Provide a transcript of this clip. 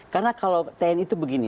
karena kalau tni itu begini